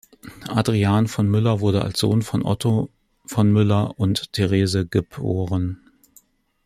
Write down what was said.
Adriaan von Müller wurde als Sohn von Otto von Müller und Therese geb.